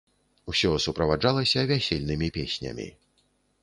Усё суправаджалася вясельнымі песнямі.